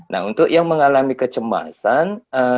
nah untuk yang mengalami kecemasan